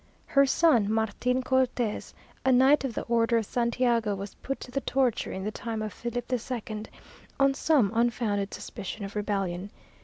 Her son, Martin Cortes, a knight of the order of Santiago, was put to the torture in the time of Philip II., on some unfounded suspicion of rebellion.